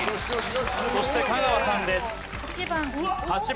そして香川さんです。